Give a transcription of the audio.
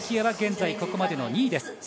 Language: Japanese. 椰は現在、ここまでの２位です。